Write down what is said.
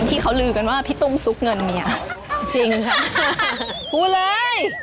ที่เขาลือกันว่าพี่ตุ้มซุกเงินเมียจริงค่ะพูดเลย